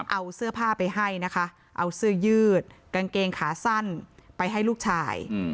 เอาเสื้อผ้าไปให้นะคะเอาเสื้อยืดกางเกงขาสั้นไปให้ลูกชาย